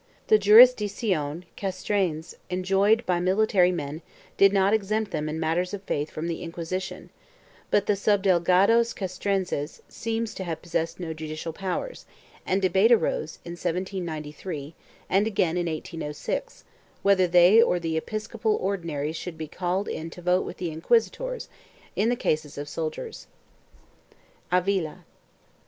The jurisdiction castrense enjoyed by military men did not exempt them in matters of faith from the Inquisition, but the subdelegados castrenses seem to have possessed no judicial powers, and debate arose, in 1793 and again in 1806, whether they or the episcopal Ordinaries should be called in to vote with the inquisitors in the cases of soldiers.4 AVILA.